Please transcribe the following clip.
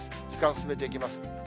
時間進めていきます。